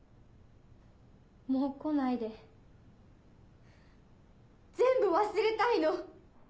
・もう来ないで・・全部忘れたいの！